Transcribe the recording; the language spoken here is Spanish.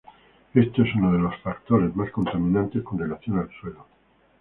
Esto es uno de los factores más contaminantes con relación al suelo.